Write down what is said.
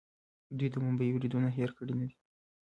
دوی د ممبۍ بریدونه هیر کړي نه دي.